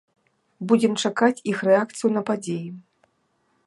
Будзем чакаць іх рэакцыю на падзеі.